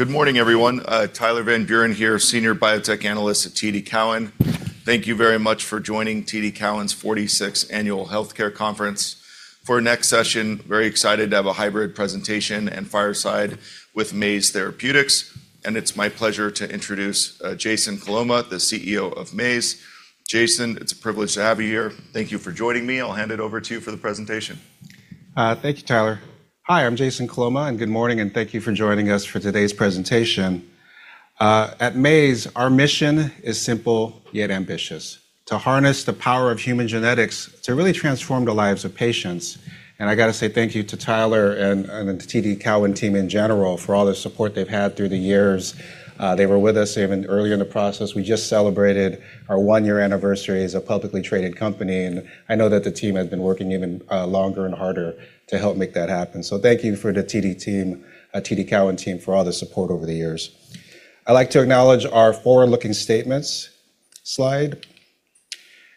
Good morning, everyone. Tyler Van Buren here, Senior Biotech Analyst at TD Cowen. Thank you very much for joining TD Cowen's 46th Annual Healthcare Conference. For our next session, very excited to have a hybrid presentation and fireside with Maze Therapeutics, and it's my pleasure to introduce Jason Coloma, the CEO of Maze. Jason, it's a privilege to have you here. Thank you for joining me. I'll hand it over to you for the presentation. Thank you, Tyler. Hi, I'm Jason Coloma, and good morning, and thank you for joining us for today's presentation. At Maze, our mission is simple yet ambitious: to harness the power of human genetics to really transform the lives of patients. I gotta say thank you to Tyler and the TD Cowen team in general for all the support they've had through the years. They were with us even earlier in the process. We just celebrated our one-year anniversary as a publicly traded company, and I know that the team has been working even longer and harder to help make that happen. Thank you for the TD team, TD Cowen team for all the support over the years. I'd like to acknowledge our forward-looking statements slide.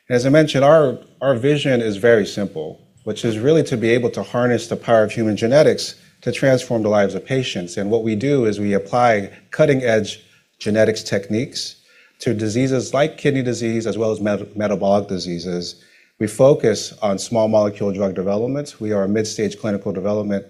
As I mentioned, our vision is very simple, which is really to be able to harness the power of human genetics to transform the lives of patients. What we do is we apply cutting-edge genetics techniques to diseases like kidney disease as well as meta-metabolic diseases. We focus on small molecule drug developments. We are a mid-stage clinical development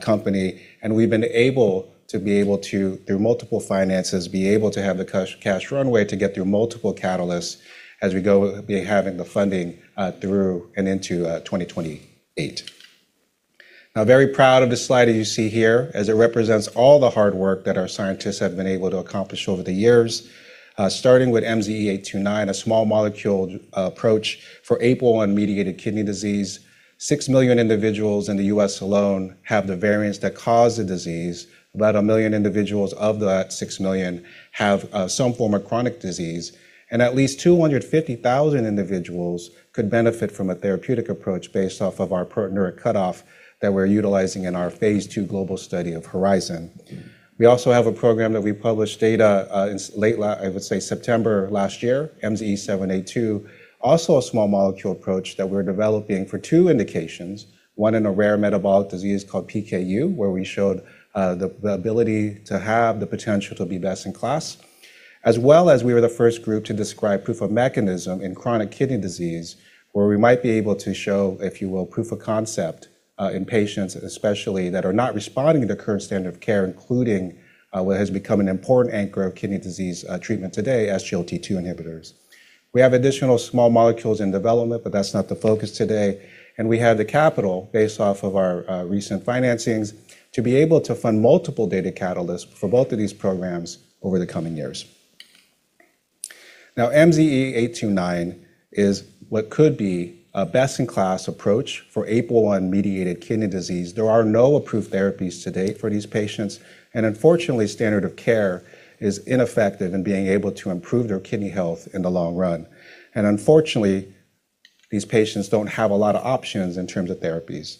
company, and we've been able to, through multiple finances, be able to have the cash runway to get through multiple catalysts as we go be having the funding through and into 2028. I'm very proud of the slide that you see here, as it represents all the hard work that our scientists have been able to accomplish over the years, starting with MZE-829, a small molecule approach for APOL1-mediated kidney disease. Six million individuals in the U.S. alone have the variants that cause the disease. About one million individuals of that six million have some form of chronic disease, and at least 250,000 individuals could benefit from a therapeutic approach based off of our partner cutoff that we're utilizing in our phase 2 global study of HORIZON. We also have a program that we published data, in late I would say September last year, MZE-782, also a small molecule approach that we're developing for two indications, one in a rare metabolic disease called PKU, where we showed, the ability to have the potential to be best in class, as well as we were the first group to describe proof of mechanism in chronic kidney disease, where we might be able to show, if you will, proof of concept, in patients especially that are not responding to the current standard of care, including, what has become an important anchor of kidney disease, treatment today, SGLT2 inhibitors. We have additional small molecules in development, but that's not the focus today, and we have the capital based off of our recent financings to be able to fund multiple data catalysts for both of these programs over the coming years. MZE-829 is what could be a best-in-class approach for APOL1-mediated kidney disease. There are no approved therapies to date for these patients, and unfortunately, standard of care is ineffective in being able to improve their kidney health in the long run. Unfortunately, these patients don't have a lot of options in terms of therapies.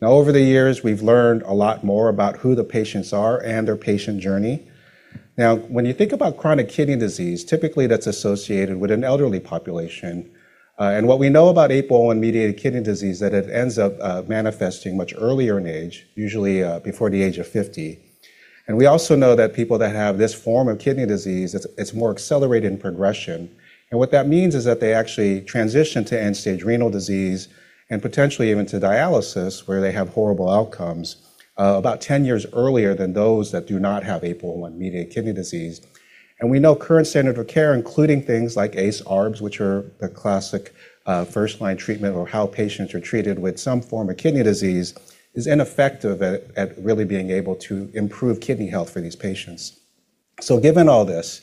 Over the years, we've learned a lot more about who the patients are and their patient journey. When you think about chronic kidney disease, typically that's associated with an elderly population, and what we know about APOL1-mediated kidney disease, that it ends up manifesting much earlier in age, usually before the age of 50. We also know that people that have this form of kidney disease, it's more accelerated in progression, and what that means is that they actually transition to end-stage renal disease and potentially even to dialysis, where they have horrible outcomes, about 10 years earlier than those that do not have APOL1-mediated kidney disease. We know current standard of care, including things like ACE/ARBs, which are the classic, first-line treatment or how patients are treated with some form of kidney disease, is ineffective at really being able to improve kidney health for these patients. Given all this,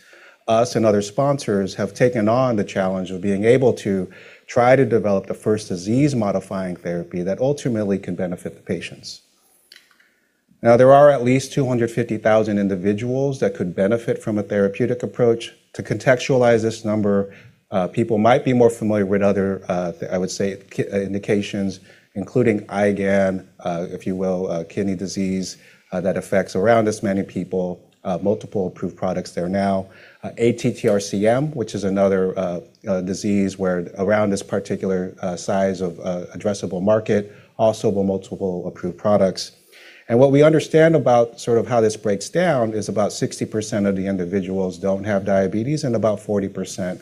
us and other sponsors have taken on the challenge of being able to try to develop the first disease-modifying therapy that ultimately can benefit the patients. There are at least 250,000 individuals that could benefit from a therapeutic approach. To contextualize this number, people might be more familiar with other indications, including IgAN, if you will, a kidney disease that affects around this many people, multiple approved products there now. ATTR-CM, which is another disease where around this particular size of addressable market, also with multiple approved products. What we understand about sort of how this breaks down is about 60% of the individuals don't have diabetes, and about 40%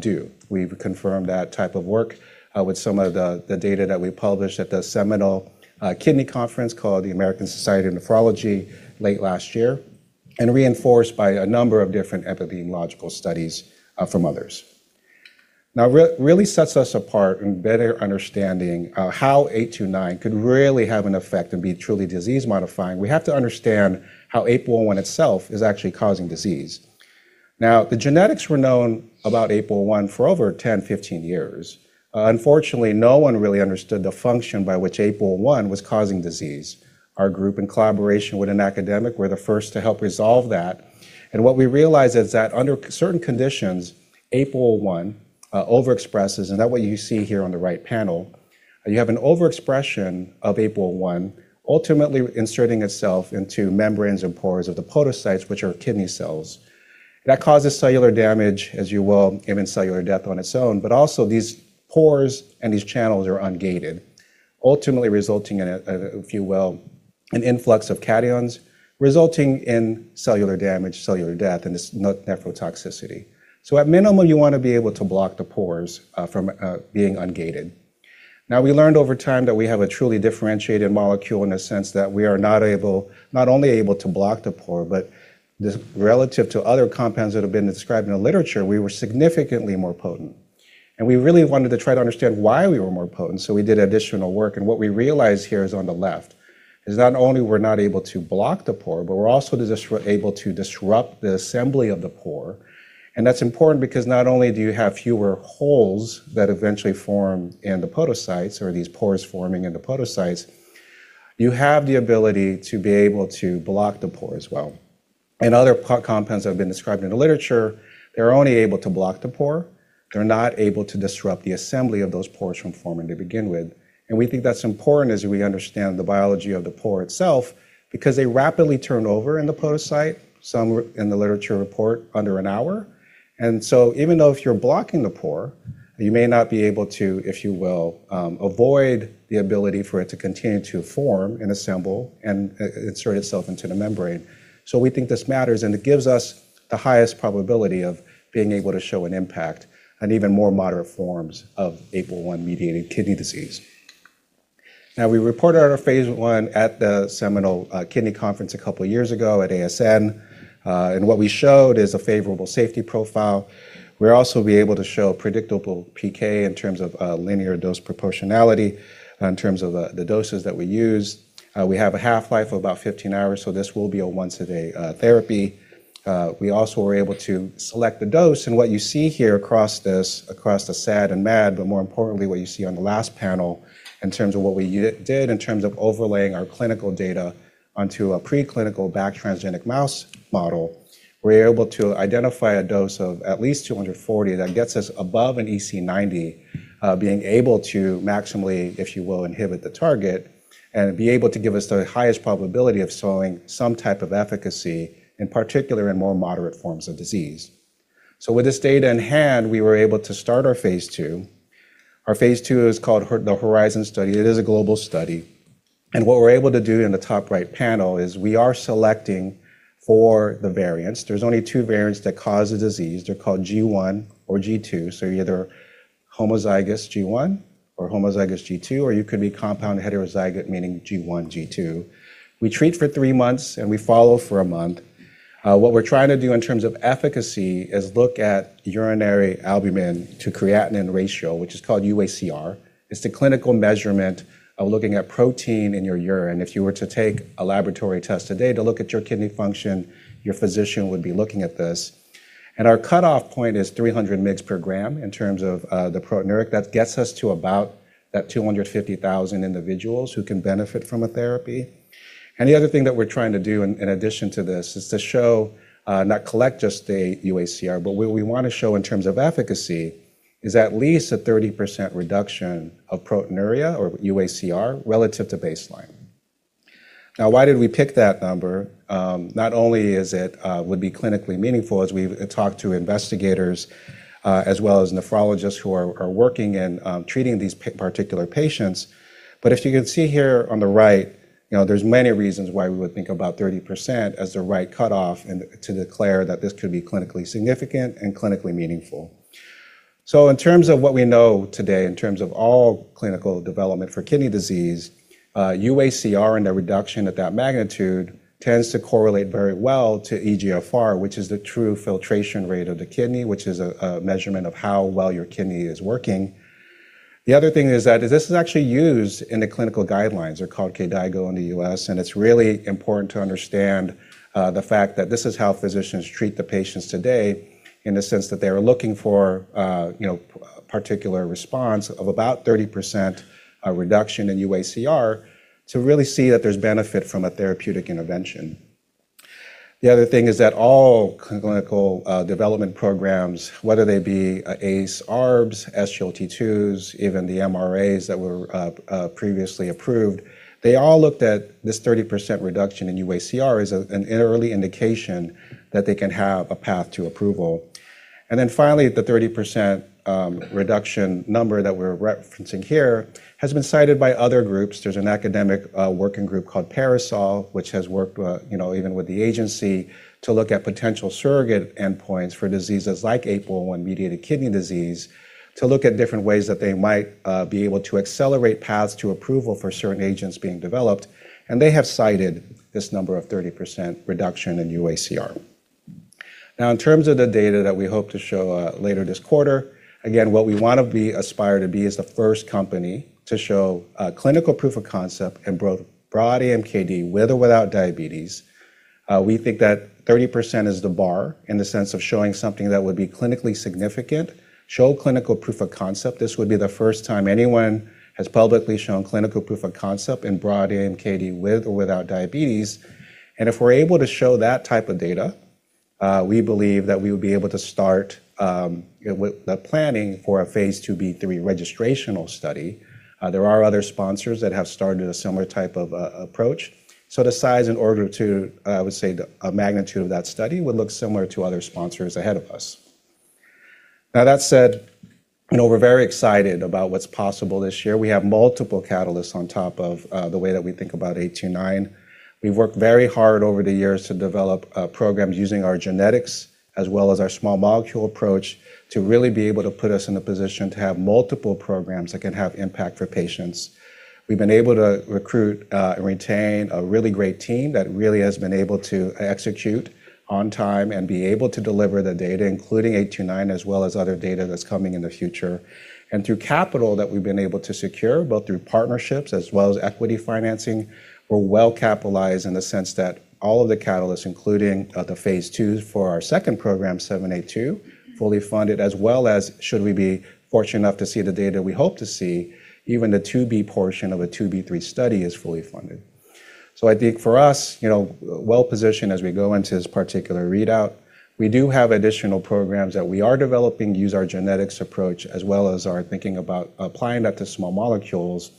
do. We've confirmed that type of work with some of the data that we published at the seminal kidney conference called the American Society of Nephrology late last year and reinforced by a number of different epidemiological studies from others. Really sets us apart in better understanding how H&I could really have an effect and be truly disease-modifying. We have to understand how APOL1 itself is actually causing disease. The genetics were known about APOL1 for over 10, 15 years. Unfortunately, no one really understood the function by which APOL1 was causing disease. Our group, in collaboration with an academic were the first to help resolve that, and what we realized is that under certain conditions, APOL1 overexpresses, and that what you see here on the right panel. You have an overexpression of APOL1 ultimately inserting itself into membranes and pores of the podocytes, which are kidney cells. That causes cellular damage, as you will, even cellular death on its own, but also these pores and these channels are ungated. Ultimately resulting in a, if you will, an influx of cations resulting in cellular damage, cellular death, and this nephrotoxicity. At minimum, you wanna be able to block the pores from being ungated. We learned over time that we have a truly differentiated molecule in a sense that we are not only able to block the pore, but this relative to other compounds that have been described in the literature, we were significantly more potent. We really wanted to try to understand why we were more potent, so we did additional work, and what we realized here is on the left, is not only we're not able to block the pore, but we're also just able to disrupt the assembly of the pore, and that's important because not only do you have fewer holes that eventually form in the podocytes or these pores forming in the podocytes, you have the ability to be able to block the pore as well. Other compounds that have been described in the literature, they're only able to block the pore, they're not able to disrupt the assembly of those pores from forming to begin with. We think that's important as we understand the biology of the pore itself, because they rapidly turn over in the podocyte, some in the literature report under an hour. Even though if you're blocking the pore, you may not be able to, if you will, avoid the ability for it to continue to form and assemble and insert itself into the membrane. We think this matters, and it gives us the highest probability of being able to show an impact on even more moderate forms of APOL1-mediated kidney disease. We reported our phase 1 at the seminal kidney conference a couple years ago at ASN, and what we showed is a favorable safety profile. We're also be able to show predictable PK in terms of linear dose proportionality in terms of the doses that we use. We have a half-life of about 15 hours, so this will be a once a day therapy. We also were able to select the dose, and what you see here across this, across the SAD and MAD, but more importantly, what you see on the last panel in terms of what we did in terms of overlaying our clinical data onto a preclinical BAC transgenic mouse model, we're able to identify a dose of at least 240 that gets us above an EC90, being able to maximally, if you will, inhibit the target and be able to give us the highest probability of showing some type of efficacy, in particular in more moderate forms of disease. With this data in hand, we were able to start our phase 2. Our phase 2 is called the Horizon Study. It is a global study. What we're able to do in the top right panel is we are selecting for the variants. There's only two variants that cause the disease. They're called G1 or G2, so you're either homozygous G1 or homozygous G2, or you could be compound heterozygote, meaning G1G2. We treat for three months, and we follow for a month. What we're trying to do in terms of efficacy is look at urinary albumin to creatinine ratio, which is called UACR. It's the clinical measurement of looking at protein in your urine. If you were to take a laboratory test today to look at your kidney function, your physician would be looking at this. Our cutoff point is 300 mgs per gram in terms of the proteinuria. That gets us to about that 250,000 individuals who can benefit from a therapy. The other thing that we're trying to do in addition to this is to show, not collect just the UACR, but what we wanna show in terms of efficacy is at least a 30% reduction of proteinuria or UACR relative to baseline. Now why did we pick that number? Not only is it, would be clinically meaningful as we've talked to investigators, as well as nephrologists who are working and treating these particular patients, but if you can see here on the right, you know, there's many reasons why we would think about 30% as the right cutoff and to declare that this could be clinically significant and clinically meaningful. In terms of what we know today, in terms of all clinical development for kidney disease, UACR and the reduction at that magnitude tends to correlate very well to eGFR, which is the true filtration rate of the kidney, which is a measurement of how well your kidney is working. The other thing is that this is actually used in the clinical guidelines. They're called KDOQI in the U.S., and it's really important to understand, the fact that this is how physicians treat the patients today in the sense that they are looking for, you know, particular response of about 30% reduction in UACR to really see that there's benefit from a therapeutic intervention. The other thing is that all clinical development programs, whether they be ACE, ARBs, SGLT2s, even the MRAs that were previously approved, they all looked at this 30% reduction in UACR as an early indication that they can have a path to approval. Then finally, the 30% reduction number that we're referencing here has been cited by other groups. There's an academic working group called PARASOL, which has worked, you know, even with the agency to look at potential surrogate endpoints for diseases like APOL1-mediated kidney disease to look at different ways that they might be able to accelerate paths to approval for certain agents being developed, and they have cited this number of 30% reduction in UACR. Now in terms of the data that we hope to show later this quarter, again, what we wanna be. aspire to be is the first company to show clinical proof of concept in broad AMKD with or without diabetes. We think that 30% is the bar in the sense of showing something that would be clinically significant, show clinical proof of concept. This would be the first time anyone has publicly shown clinical proof of concept in broad AMKD with or without diabetes. If we're able to show that type of data, we believe that we would be able to start with the planning for a phase 2b/3 registrational study. There are other sponsors that have started a similar type of approach. The size and order to, I would say the magnitude of that study would look similar to other sponsors ahead of us. Now that said, you know, we're very excited about what's possible this year. We have multiple catalysts on top of the way that we think about 829. We've worked very hard over the years to develop programs using our genetics as well as our small molecule approach to really be able to put us in a position to have multiple programs that can have impact for patients. We've been able to recruit and retain a really great team that really has been able to execute on time and be able to deliver the data, including 829, as well as other data that's coming in the future. Through capital that we've been able to secure, both through partnerships as well as equity financing, we're well-capitalized in the sense that all of the catalysts, including, the phase 2s for our second program, MZE-782, fully funded, as well as should we be fortunate enough to see the data we hope to see, even the 2B portion of a 2B 3 study is fully funded. I think for us, you know, well-positioned as we go into this particular readout, we do have additional programs that we are developing, use our genetics approach, as well as our thinking about applying that to small molecules.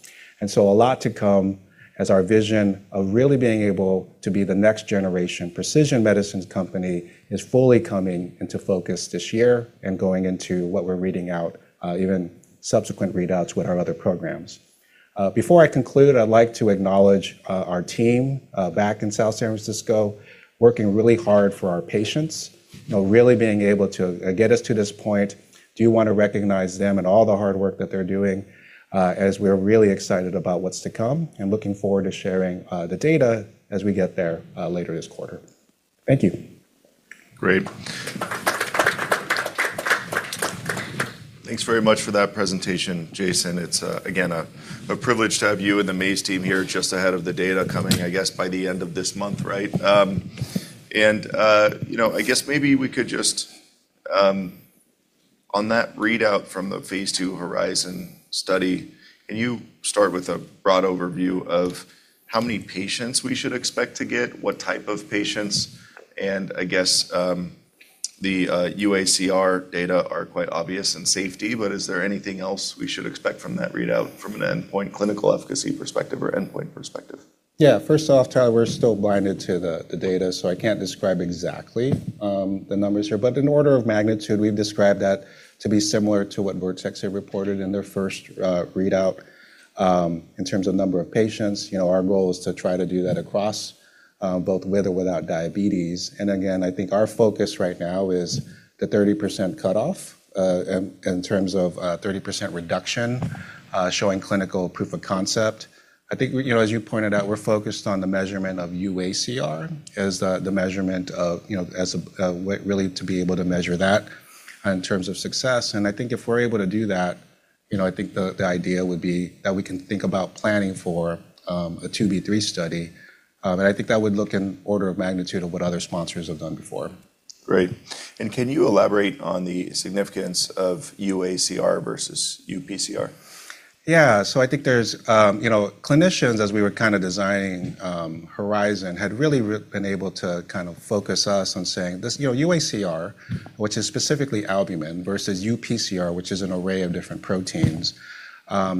A lot to come as our vision of really being able to be the next generation precision medicines company is fully coming into focus this year and going into what we're reading out, even subsequent readouts with our other programs. Before I conclude, I'd like to acknowledge our team back in South San Francisco, working really hard for our patients, you know, really being able to get us to this point. Do want to recognize them and all the hard work that they're doing, as we're really excited about what's to come and looking forward to sharing the data as we get there, later this quarter. Thank you. Great. Thanks very much for that presentation, Jason. It's again, a privilege to have you and the Maze team here just ahead of the data coming, I guess, by the end of this month, right? You know, I guess maybe we could just on that readout from the phase 2 HORIZON Study, can you start with a broad overview of how many patients we should expect to get, what type of patients, and I guess the UACR data are quite obvious in safety, but is there anything else we should expect from that readout from an endpoint clinical efficacy perspective or endpoint perspective? Yeah. First off, Tyler, we're still blinded to the data, so I can't describe exactly the numbers here. In order of magnitude, we've described that to be similar to what Vertex had reported in their first readout in terms of number of patients. You know, our goal is to try to do that across both with or without diabetes. Again, I think our focus right now is the 30% cutoff in terms of 30% reduction showing clinical proof of concept. I think we. You know, as you pointed out, we're focused on the measurement of UACR as the measurement of, you know, as a way really to be able to measure that in terms of success. I think if we're able to do that, you know, I think the idea would be that we can think about planning for a 2b/3 study. I think that would look in order of magnitude of what other sponsors have done before. Great. Can you elaborate on the significance of UACR versus UPCR? Yeah. I think there's, you know, clinicians, as we were kinda designing HORIZON, had been able to kind of focus us on saying this. You know, UACR, which is specifically albumin, versus UPCR, which is an array of different proteins,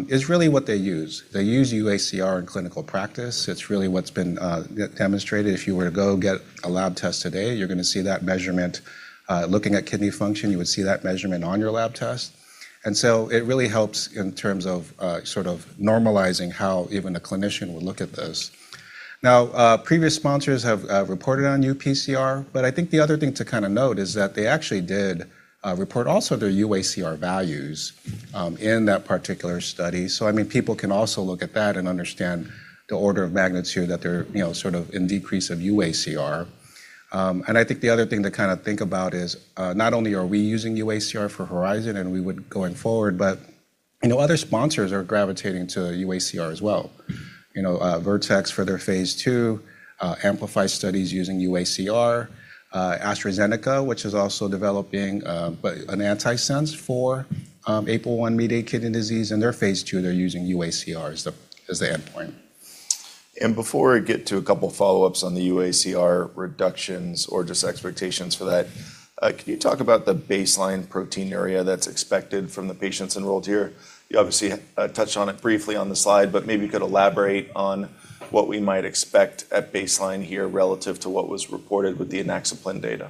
is really what they use. They use UACR in clinical practice. It's really what's been get demonstrated. If you were to go get a lab test today, you're gonna see that measurement. Looking at kidney function, you would see that measurement on your lab test. It really helps in terms of sort of normalizing how even a clinician would look at this. Now, previous sponsors have reported on UPCR, but I think the other thing to kinda note is that they actually did report also their UACR values in that particular study. I mean, people can also look at that and understand the order of magnitude that they're, you know, sort of in decrease of UACR. I think the other thing to kinda think about is, not only are we using UACR for Horizon, and we would going forward, but, you know, other sponsors are gravitating to UACR as well. You know, Vertex for their phase 2 amplified studies using UACR, AstraZeneca, which is also developing, but an antisense for APOL1-mediated kidney disease. In their phase 2, they're using UACR as the endpoint. Before I get to a couple follow-ups on the UACR reductions or just expectations for that, can you talk about the baseline proteinuria that's expected from the patients enrolled here? You obviously touched on it briefly on the slide, but maybe you could elaborate on what we might expect at baseline here relative to what was reported with the inaxaplin data?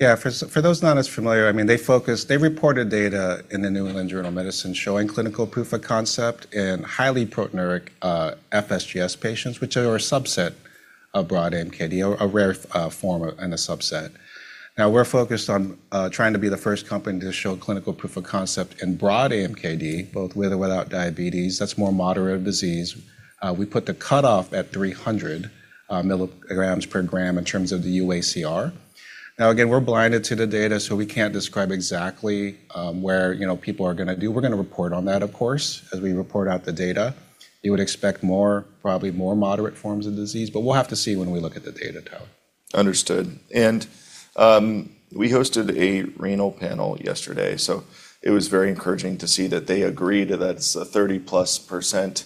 Yeah. For those not as familiar, I mean, they reported data in the New England Journal of Medicine showing clinical proof of concept in highly proteinuria, FSGS patients, which are a subset of broad AMKD, a rare form and a subset. We're focused on trying to be the first company to show clinical proof of concept in broad AMKD, both with or without diabetes. That's more moderate disease. We put the cutoff at 300 milligrams per gram in terms of the UACR. Again, we're blinded to the data, we can't describe exactly, where, you know, people are gonna do. We're gonna report on that, of course, as we report out the data. You would expect more, probably more moderate forms of disease, we'll have to see when we look at the data, Tyler. Understood. We hosted a renal panel yesterday, so it was very encouraging to see that they agreed that's a 30-plus %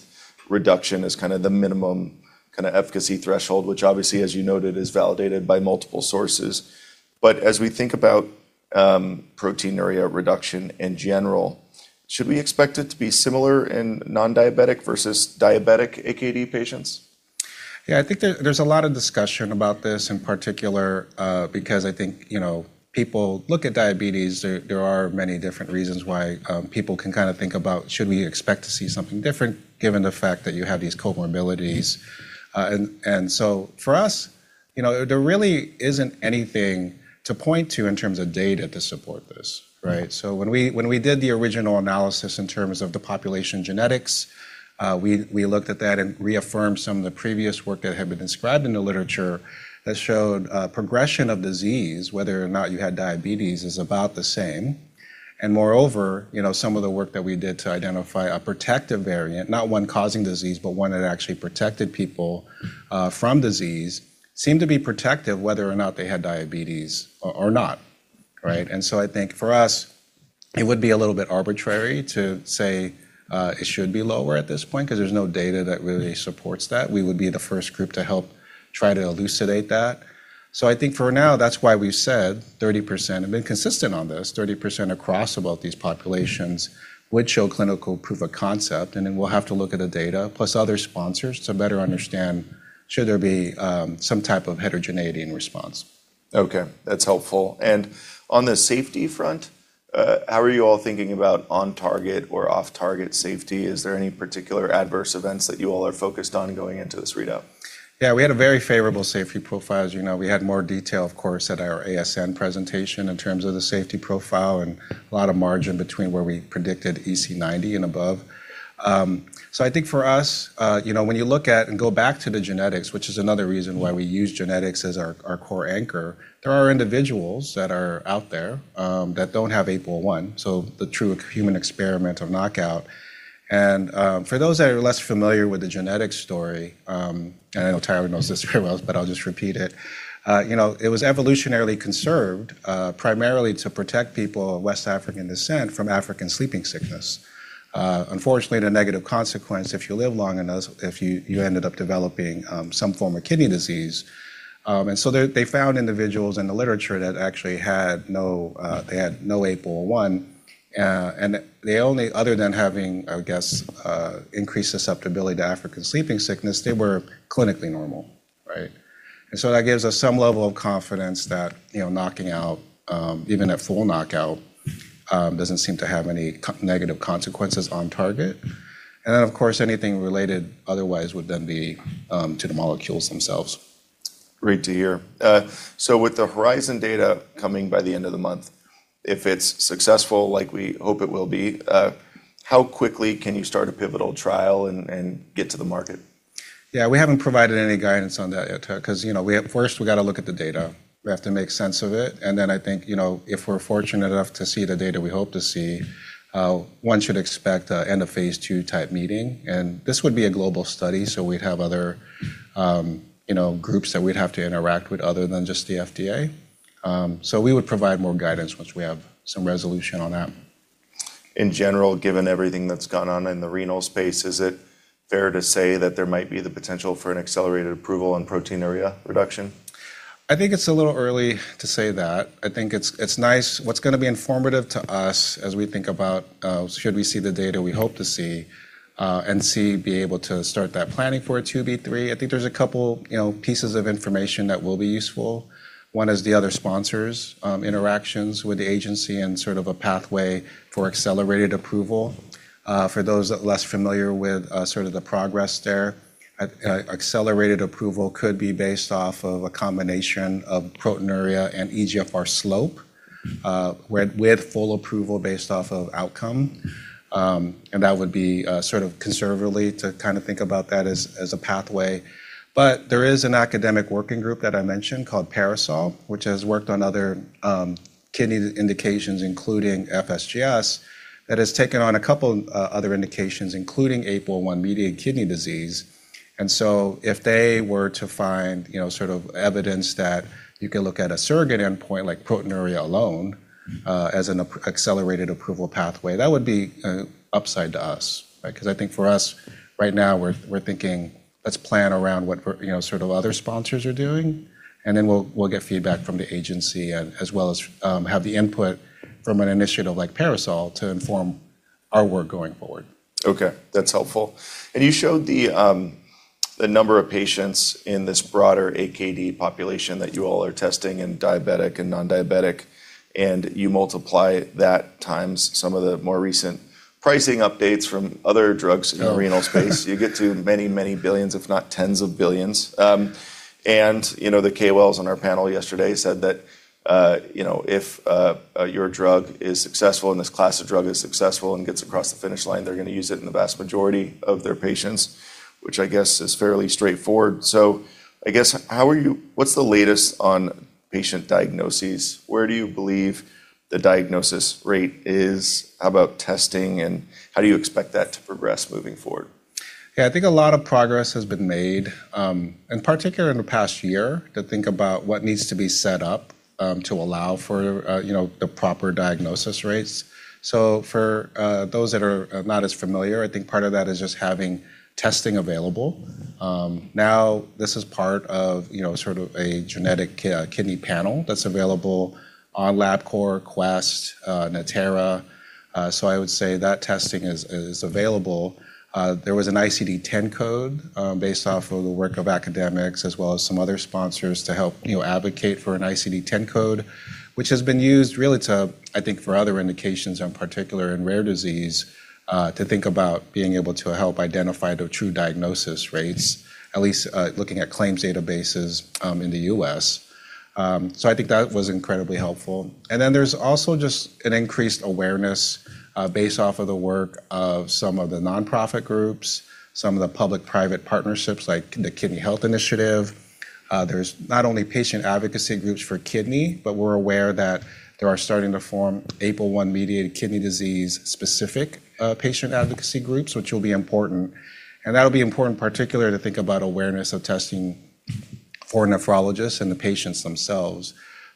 reduction is kinda the minimum kinda efficacy threshold, which obviously, as you noted, is validated by multiple sources. As we think about proteinuria reduction in general, should we expect it to be similar in non-diabetic versus diabetic AMKD patients? I think there's a lot of discussion about this in particular, because I think, you know, people look at diabetes, there are many different reasons why people can kinda think about should we expect to see something different given the fact that you have these comorbidities. For us, you know, there really isn't anything to point to in terms of data to support this, right? When we did the original analysis in terms of the population genetics, we looked at that and reaffirmed some of the previous work that had been described in the literature that showed progression of disease, whether or not you had diabetes is about the same. Moreover, you know, some of the work that we did to identify a protective variant, not one causing disease, but one that actually protected people from disease, seemed to be protective whether or not they had diabetes or not. I think for us it would be a little bit arbitrary to say it should be lower at this point because there's no data that really supports that. We would be the first group to help try to elucidate that. I think for now that's why we've said 30%, and been consistent on this, 30% across about these populations would show clinical proof of concept, and then we'll have to look at the data plus other sponsors to better understand should there be some type of heterogeneity in response. Okay, that's helpful. On the safety front, how are you all thinking about on-target or off-target safety? Is there any particular adverse events that you all are focused on going into this readout? Yeah, we had a very favorable safety profile, as you know. We had more detail, of course, at our ASN presentation in terms of the safety profile and a lot of margin between where we predicted EC90 and above. So I think for us, you know, when you look at and go back to the genetics, which is another reason why we use genetics as our core anchor, there are individuals that are out there that don't have APOL1, so the true human experiment of knockout. For those that are less familiar with the genetic story, and I know Tyler knows this very well, but I'll just repeat it. You know, it was evolutionarily conserved, primarily to protect people of West African descent from African sleeping sickness. Unfortunately, the negative consequence, if you live long enough, if you ended up developing, some form of kidney disease. So they found individuals in the literature that actually had no APOL1, and they only, other than having, I would guess, increased susceptibility to African sleeping sickness, they were clinically normal, right? That gives us some level of confidence that, you know, knocking out, even a full knockout, doesn't seem to have any negative consequences on target. Then, of course, anything related otherwise would then be to the molecules themselves. Great to hear. With the HORIZON data coming by the end of the month, if it's successful like we hope it will be, how quickly can you start a pivotal trial and get to the market? Yeah, we haven't provided any guidance on that yet, 'cause, you know, first we gotta look at the data. We have to make sense of it, then I think, you know, if we're fortunate enough to see the data we hope to see, one should expect a end of phase 2 type meeting. This would be a global study, we'd have other, you know, groups that we'd have to interact with other than just the FDA. We would provide more guidance once we have some resolution on that. In general, given everything that's gone on in the renal space, is it fair to say that there might be the potential for an accelerated approval on proteinuria reduction? I think it's a little early to say that. I think it's nice. What's gonna be informative to us as we think about should we see the data we hope to see and be able to start that planning for a 2b/3, I think there's a couple, you know, pieces of information that will be useful. One is the other sponsors' interactions with the agency and sort of a pathway for accelerated approval. For those less familiar with sort of the progress there, a accelerated approval could be based off of a combination of proteinuria and eGFR slope with full approval based off of outcome. That would be sort of conservatively to kinda think about that as a pathway. There is an academic working group that I mentioned called PARASOL, which has worked on other kidney indications, including FSGS, that has taken on a couple other indications, including APOL1-mediated kidney disease. If they were to find, you know, sort of evidence that you could look at a surrogate endpoint like proteinuria alone, as an accelerated approval pathway, that would be an upside to us, right? 'Cause I think for us right now, we're thinking let's plan around what we're, you know, sort of other sponsors are doing, and then we'll get feedback from the agency as well as have the input from an initiative like PARASOL to inform our work going forward. Okay, that's helpful. You showed the number of patients in this broader AMKD population that you all are testing in diabetic and non-diabetic, and you multiply that times some of the more recent pricing updates from other drugs in the renal space. Oh. You get to many, many billions, if not tens of billions. You know, the KOLs on our panel yesterday said that, you know, if your drug is successful and this class of drug is successful and gets across the finish line, they're gonna use it in the vast majority of their patients, which I guess is fairly straightforward. I guess what's the latest on patient diagnoses? Where do you believe the diagnosis rate is? How about testing, and how do you expect that to progress moving forward? I think a lot of progress has been made in particular in the past year to think about what needs to be set up to allow for, you know, the proper diagnosis rates. For those that are not as familiar, I think part of that is just having testing available. Now this is part of, you know, sort of a genetic kidney panel that's available on LabCorp, Quest, Natera. I would say that testing is available. There was an ICD-10 code, based off of the work of academics as well as some other sponsors to help, you know, advocate for an ICD-10 code, which has been used really to, I think, for other indications in particular in rare disease, to think about being able to help identify the true diagnosis rates, at least, looking at claims databases, in the U.S. I think that was incredibly helpful. There's also just an increased awareness, based off of the work of some of the nonprofit groups, some of the public-private partnerships like the Kidney Health Initiative. There's not only patient advocacy groups for kidney, but we're aware that they are starting to form APOL1-mediated kidney disease specific, patient advocacy groups, which will be important. That'll be important particularly to think about awareness of testing for nephrologists and the patients themselves.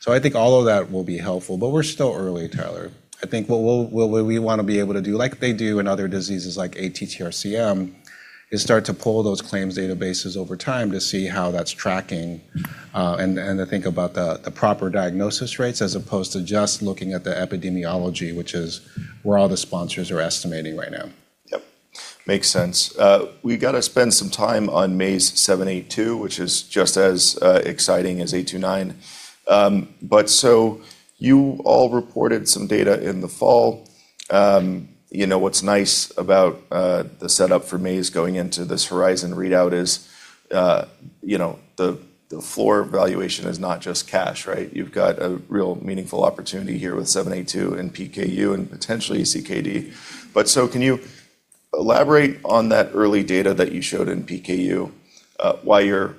I think all of that will be helpful, but we're still early, Tyler. I think what we want to be able to do, like they do in other diseases like ATTR-CM, is start to pull those claims databases over time to see how that's tracking, and to think about the proper diagnosis rates as opposed to just looking at the epidemiology, which is where all the sponsors are estimating right now. Yep. Makes sense. We got to spend some time on MZE-782, which is just as exciting as MZE-829. You all reported some data in the fall. You know, what's nice about the setup for Maze going into this Horizon readout is, you know, the floor valuation is not just cash, right? You've got a real meaningful opportunity here with MZE-782 and PKU and potentially CKD. Can you elaborate on that early data that you showed in PKU, why you're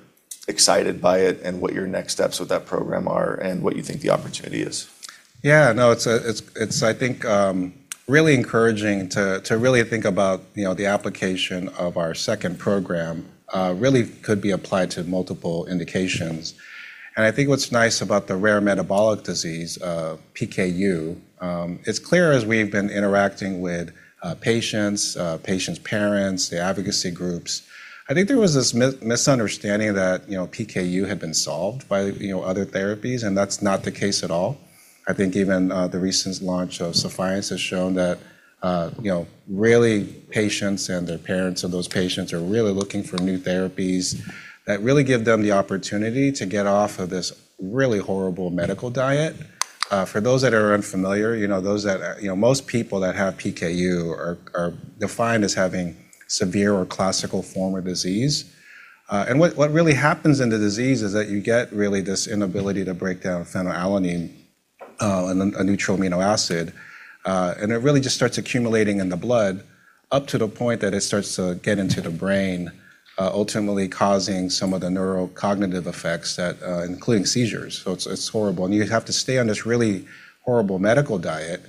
excited by it, and what your next steps with that program are, and what you think the opportunity is? Yeah, no, it's I think, really encouraging to really think about, you know, the application of our second program, really could be applied to multiple indications. I think what's nice about the rare metabolic disease of PKU, it's clear as we've been interacting with patients' parents, the advocacy groups, I think there was this misunderstanding that, you know, PKU had been solved by, you know, other therapies, and that's not the case at all. I think even, the recent launch of SUFIANCE has shown that, you know, really patients and their parents of those patients are really looking for new therapies that really give them the opportunity to get off of this really horrible medical diet. For those that are unfamiliar, you know, those that are... You know, most people that have PKU are defined as having severe or classical form of disease. What really happens in the disease is that you get really this inability to break down phenylalanine, a neutral amino acid, and it really just starts accumulating in the blood up to the point that it starts to get into the brain, ultimately causing some of the neurocognitive effects that, including seizures. It's horrible, and you have to stay on this really horrible medical diet.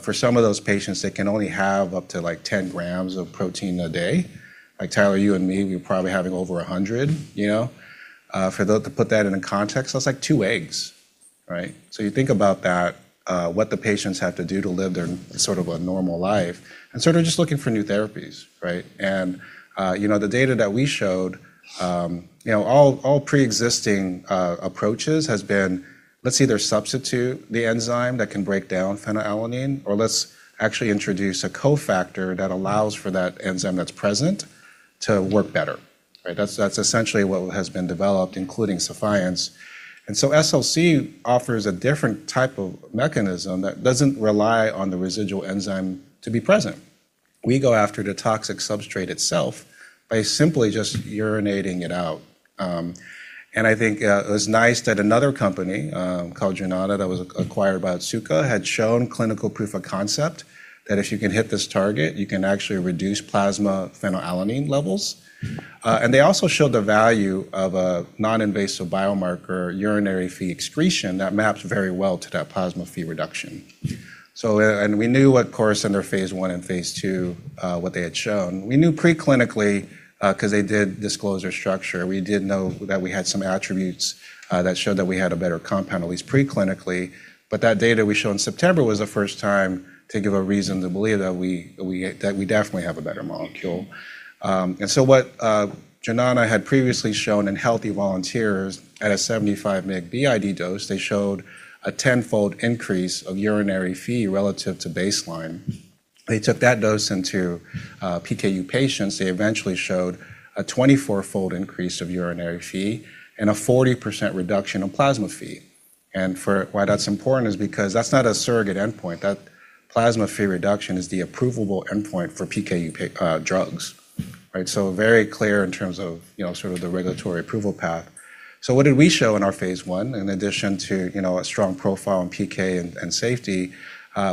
For some of those patients, they can only have up to like 10 grams of protein a day. Like Tyler, you and me, we're probably having over 100, you know. To put that into context, that's like two eggs, right? You think about that, what the patients have to do to live their sort of a normal life and sort of just looking for new therapies, right? You know, the data that we showed, you know, all preexisting approaches has been, let's either substitute the enzyme that can break down phenylalanine or let's actually introduce a cofactor that allows for that enzyme that's present to work better, right? That's essentially what has been developed, including SUFIANCE. SLC offers a different type of mechanism that doesn't rely on the residual enzyme to be present. We go after the toxic substrate itself by simply just urinating it out. I think it was nice that another company, called Nanna Therapeutics that was acquired by Astellas, had shown clinical proof of concept that if you can hit this target, you can actually reduce plasma phenylalanine levels. They also showed the value of a non-invasive biomarker urinary Phe excretion that maps very well to that plasma Phe reduction. We knew of course in their phase 1 and phase 2 what they had shown. We knew preclinically, 'cause they did disclose their structure. We did know that we had some attributes that showed that we had a better compound at least preclinically. That data we showed in September was the first time to give a reason to believe that we definitely have a better molecule. What Jeana had previously shown in healthy volunteers at a 75 mg BID dose, they showed a 10-fold increase of urinary Phe relative to baseline. They took that dose into PKU patients. They eventually showed a 24-fold increase of urinary Phe and a 40% reduction in plasma Phe. For why that's important is because that's not a surrogate endpoint. That plasma Phe reduction is the approvable endpoint for PKU drugs, right? Very clear in terms of, you know, sort of the regulatory approval path. What did we show in our phase 1 in addition to, you know, a strong profile in PK and safety?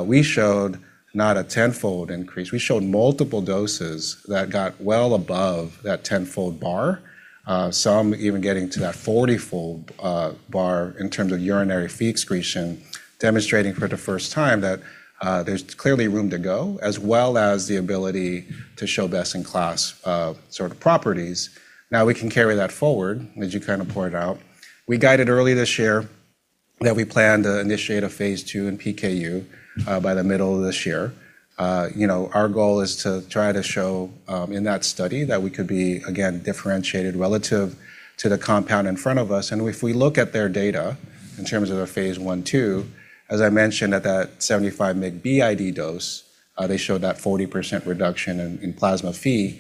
We showed not a 10-fold increase. We showed multiple doses that got well above that tenfold bar some even getting to that forty-fold bar in terms of urinary Phe excretion demonstrating for the first time that there's clearly room to go as well as the ability to show best in class sort of properties. Now we can carry that forward, as you kinda pointed out. We guided early this year that we plan to initiate a phase 2 in PKU by the middle of this year. You know, our goal is to try to show in that study that we could be again differentiated relative to the compound in front of us. If we look at their data in terms of their phase 1/2, as I mentioned at that 75 mg BID dose, they showed that 40% reduction in plasma Phe.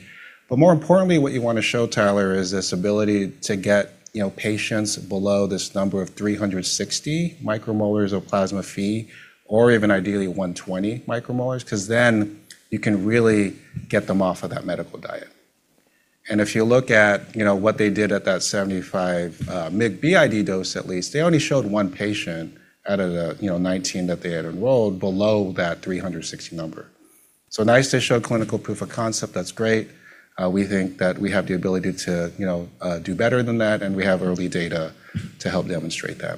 More importantly, what you wanna show, Tyler, is this ability to get, you know, patients below this number of 360 micromolars of plasma Phe or even ideally 120 micromolars, 'cause then you can really get them off of that medical diet. If you look at, you know, what they did at that 75 mg BID dose at least, they only showed one patient out of the, you know, 19 that they had enrolled below that 360 number. Nice to show clinical proof of concept. That's great. We think that we have the ability to, you know, do better than that, and we have early data to help demonstrate that.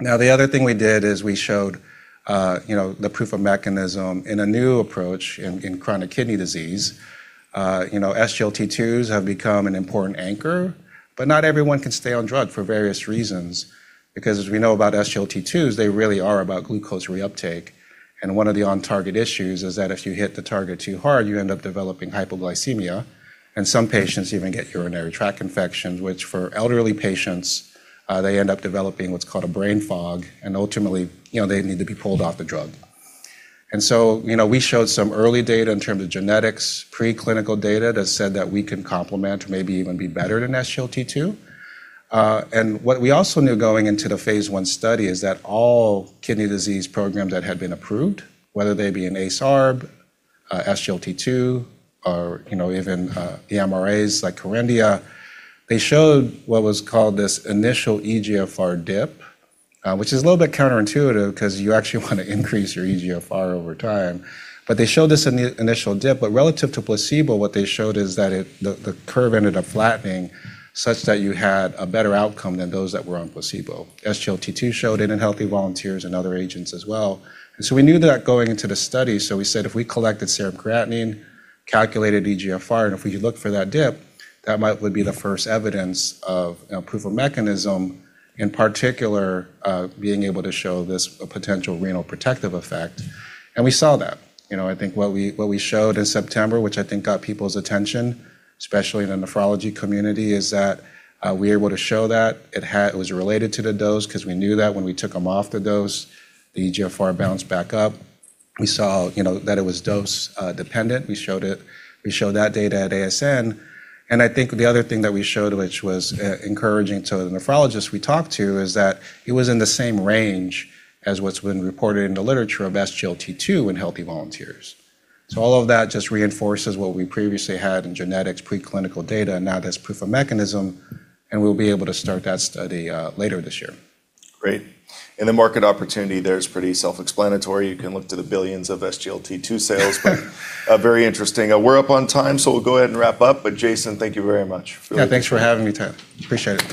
The other thing we did is we showed, you know, the proof of mechanism in a new approach in chronic kidney disease. you know, SGLT2s have become an important anchor, but not everyone can stay on drug for various reasons because as we know about SGLT2s, they really are about glucose reuptake, and one of the on target issues is that if you hit the target too hard, you end up developing hypoglycemia, and some patients even get urinary tract infections, which for elderly patients, they end up developing what's called a brain fog, and ultimately, you know, they need to be pulled off the drug. you know, we showed some early data in terms of genetics, preclinical data that said that we can complement or maybe even be better than SGLT2. What we also knew going into the phase 1 study is that all kidney disease programs that had been approved, whether they be an ARB, a SGLT2, or, you know, even MRAs like Kerendia, they showed what was called this initial eGFR dip, which is a little bit counterintuitive 'cause you actually wanna increase your eGFR over time. They showed this initial dip. Relative to placebo, what they showed is that the curve ended up flattening such that you had a better outcome than those that were on placebo. SGLT2 showed it in healthy volunteers and other agents as well. We knew that going into the study, so we said if we collected serum creatinine, calculated eGFR, and if we could look for that dip, that might would be the first evidence of, you know, proof of mechanism, in particular, being able to show this potential renal protective effect, and we saw that. You know, I think what we showed in September, which I think got people's attention, especially in the nephrology community, is that we were able to show that. It was related to the dose 'cause we knew that when we took them off the dose, the eGFR bounced back up. We saw, you know, that it was dose dependent. We showed it. We showed that data at ASN. I think the other thing that we showed, which was, encouraging to the nephrologists we talked to, is that it was in the same range as what's been reported in the literature of SGLT2 in healthy volunteers. All of that just reinforces what we previously had in genetics, preclinical data, and now there's proof of mechanism, and we'll be able to start that study, later this year. Great. The market opportunity there is pretty self-explanatory. You can look to the billions of SGLT2 sales, very interesting. We're up on time, we'll go ahead and wrap up. Jason, thank you very much. Yeah, thanks for having me, Tyler. Appreciate it.